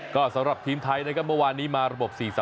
ก็สำหรับทีมไทยนะครับเมื่อวานนี้มาระบบ๔๓